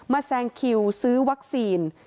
แซงคิวซื้อวัคซีน